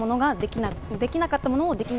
できなかったものをでき